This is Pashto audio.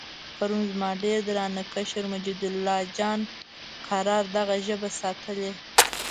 پرون زما ډېر درانه کشر مجیدالله جان قرار دغه ژبه ستایلې.